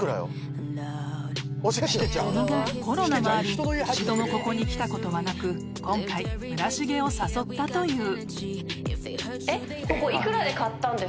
［その後コロナもあり一度もここに来たことはなく今回村重を誘ったという］